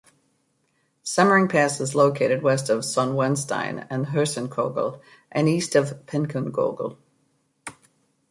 Semmering Pass is located west of Sonnwendstein and Hirschenkogel and east of the Pinkenkogel.